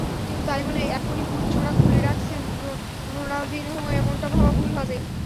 কিন্তু তাই বলে এখনই বুট জোড়া তুলে রাখছেন রোনালদিনহো এমনটা ভাবা ভুল হবে।